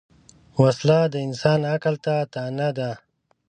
وسله د انسان عقل ته طعنه ده